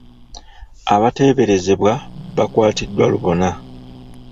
Abateeberezebwa baakwatiddwa lubona.